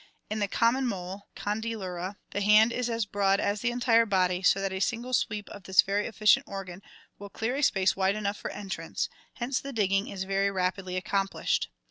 In the common mole, Condylura, the hand is as broad as the entire body, so that a single sweep of this very efficient organ will clear a space wide enough for entrance, hence the digging is very rapidly accomplished.